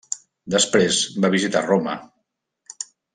Després va visitar Roma.